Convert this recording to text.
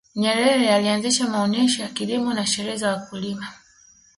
nyerere alianzisha maonesho ya kilimo na sherehe za wakulima